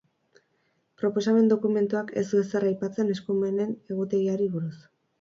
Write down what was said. Proposamenen dokumentuak ez du ezer aipatzen eskumenen egutegiari buruz.